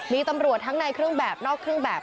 มีตำรวจทั้งในเครื่องแบบนอกเครื่องแบบ